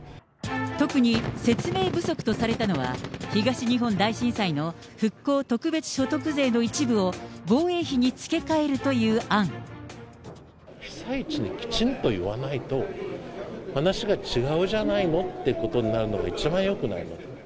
特に説明不足とされたのは、東日本大震災の復興特別所得税の一部を防衛費に付け替えるという被災地にもきちんと言わないと、話が違うじゃないのってことになるのが一番よくないこと。